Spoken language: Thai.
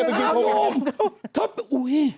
คุณหายเข้าใจไหม